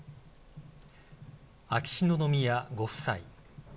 秋篠宮ご夫妻